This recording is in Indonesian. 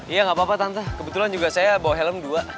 iya nggak apa apa tante kebetulan juga saya bawa helm dua